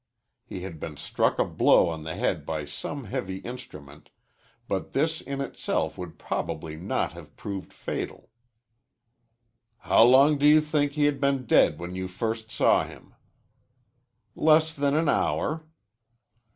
He had been struck a blow on the head by some heavy instrument, but this in itself would probably not have proved fatal. "How long do you think he had been dead when you first saw him?" "Less than an hour."